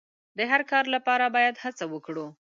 د هر کار لپاره باید هڅه وکړو.